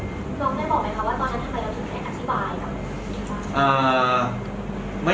น้องได้บอกไหมคะว่าตอนนั้นทำไมเราถึงได้อธิบายกับ